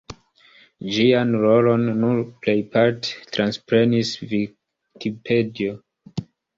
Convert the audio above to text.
Ĝian rolon nun plejparte transprenis Vikipedio.